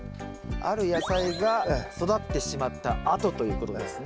ある野菜が育ってしまったあとということですね。